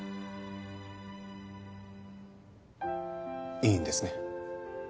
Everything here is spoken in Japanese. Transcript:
いいんですね？